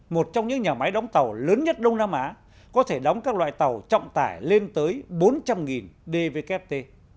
một trong những nhà máy đóng tàu lớn nhất đông nam á có thể đóng các loại tàu trọng tải lên tới bốn trăm linh dvkt